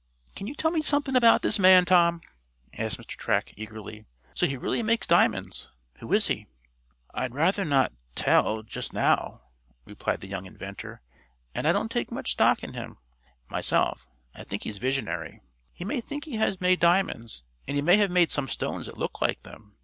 "Can you tell me something about this man, Tom?" asked Mr. Track, eagerly. "So he really makes diamonds. Who is he?" "I'd rather not tell just now," replied the young inventor. "I don't take much stock in him, myself. I think he's visionary. He may think he has made diamonds, and he may have made some stones that look like them.